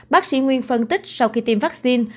bác sĩ nguyên phân tích sau khi tiêm vaccine